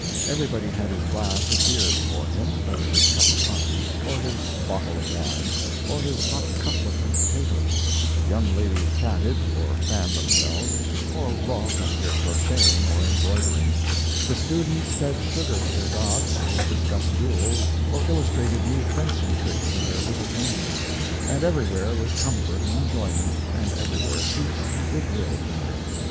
Everybody had his glass of beer before him, or his cup of coffee, or his bottle of wine, or his hot cutlet and potatoes; young ladies chatted, or fanned themselves, or wrought at their crocheting or embroidering; the students fed sugar to their dogs, or discussed duels, or illustrated new fencing tricks with their little canes; and everywhere was comfort and enjoyment, and everywhere peace and good will to men.